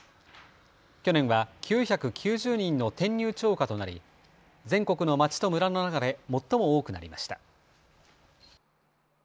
去年は９９０人の転入超過となり全国の町と村の中で最も多くなりました。